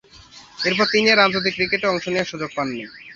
এরপর, তিনি আর আন্তর্জাতিক ক্রিকেটে অংশ নেয়ার সুযোগ পাননি।